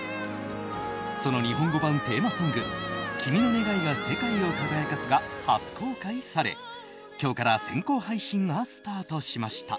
その日本語版テーマソング「君の願いが世界を輝かす」が初公開され、今日から先行配信がスタートしました。